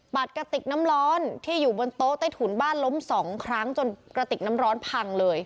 กระติกน้ำร้อนที่อยู่บนโต๊ะใต้ถุนบ้านล้มสองครั้งจนกระติกน้ำร้อนพังเลย